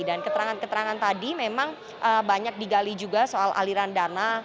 dan keterangan keterangan tadi memang banyak digali juga soal aliran dana